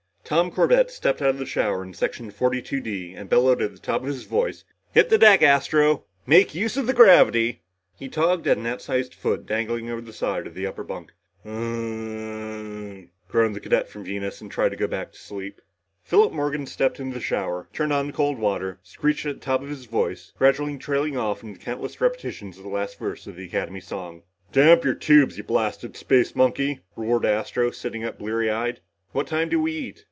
Tom Corbett stepped out of the shower in Section 42 D and bellowed at the top of his voice. "Hit the deck, Astro! Make use of the gravity!" He tugged at an outsized foot dangling over the side of an upper bunk. "Uhhhh ahhhh hummmmm," groaned the cadet from Venus and tried to go back to sleep. Philip Morgan stepped into the shower, turned on the cold water, screeched at the top of his voice, gradually trailing off into countless repetitions of the last verse of the Academy song. "Damp your tubes, you blasted space monkey," roared Astro, sitting up bleary eyed. "What time do we eat?"